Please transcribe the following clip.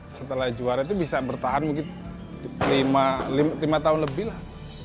setelah juara itu bisa bertahan mungkin lima tahun lebih lah